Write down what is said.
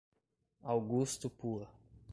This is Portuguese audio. Augusto Pua